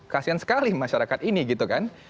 kasian sekali masyarakat ini gitu kan